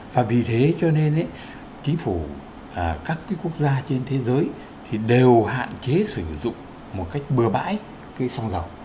và vì thế cho nên chính phủ các quốc gia trên thế giới thì đều hạn chế sử dụng một cách bừa bãi cái xăng dầu